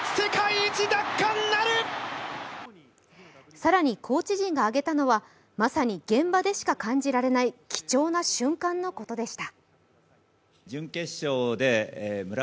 更に、コーチ陣が挙げたのはまさに現場でしか感じられない貴重な瞬間のことでした。